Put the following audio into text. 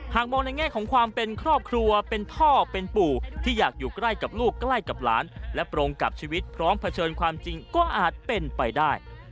มองในแง่ของความเป็นครอบครัวเป็นพ่อเป็นปู่ที่อยากอยู่ใกล้กับลูกใกล้กับหลานและตรงกับชีวิตพร้อมเผชิญความจริงก็อาจเป็นไปได้